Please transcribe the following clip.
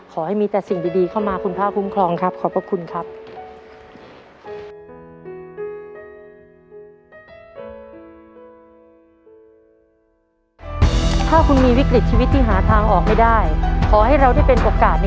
ขอให้มีแต่สิ่งดีเข้ามาคุณภาพภูมิครองครับ